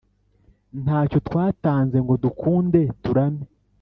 ntacyo twatanze ngo dukunde turame